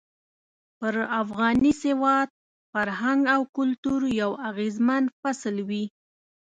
پر افغاني سواد، فرهنګ او کلتور يو اغېزمن فصل وي.